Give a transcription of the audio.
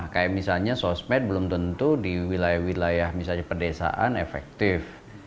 kayak misalnya sosmed belum tentu di wilayah wilayah misalnya pedesaan efektif